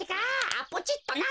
あっポチっとな。